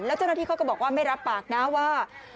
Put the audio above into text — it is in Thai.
แล้วเจ้าหน้าที่เขาก็บอกว่าไม่รับปากนะว่า